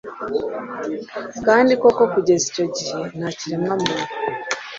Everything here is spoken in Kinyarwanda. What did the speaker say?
Kandi koko kugeza icyo gihe nta kiremwamuntu